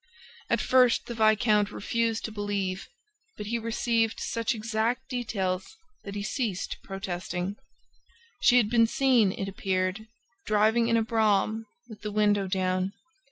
At first, the viscount refused to believe; but he received such exact details that he ceased protesting. She had been seen, it appeared, driving in a brougham, with the window down.